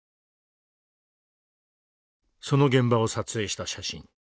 その現場を撮影した写真。